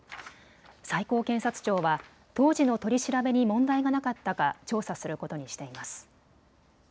最高検察庁は当時の取り調べに問題がなかったか調査することにしています。